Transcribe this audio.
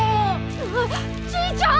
ああじいちゃん！